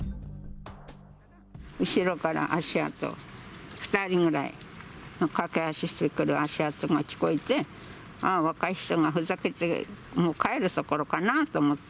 後ろから足音、２人ぐらい、駆け足してくる足音が聞こえて、ああ、若い人がふざけて、もう帰るところかなと思って。